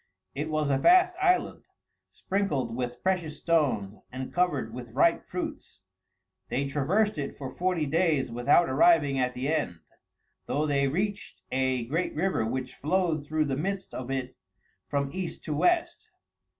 It was a vast island, sprinkled with precious stones, and covered with ripe fruits; they traversed it for forty days without arriving at the end, though they reached a great river which flowed through the midst of it from east to west.